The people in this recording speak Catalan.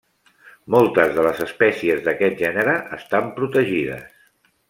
Moltes de les espècies d'aquest gènere estan protegides.